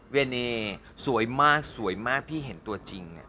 เนสวยมากสวยมากพี่เห็นตัวจริง